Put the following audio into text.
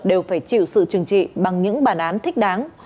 đều phải chịu sự trừng trị bằng những bản án thích đáng